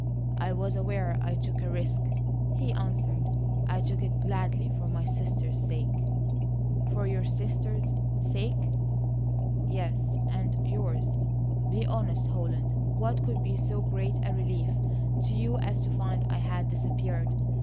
"I was aware I took a risk," he answered; "I took it gladly for my sister's sake." "For your sister's sake?" "Yes, and yours. Be honest, Holland, what could be so great a relief to you as to find I had disappeared.